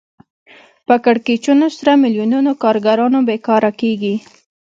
په کړکېچونو سره میلیونونو کارګران بېکاره کېږي